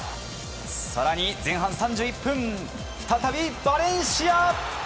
更に前半３１分再びバレンシア！